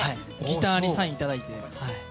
ギターにサインをいただいて。